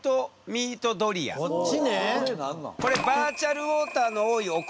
こっちね！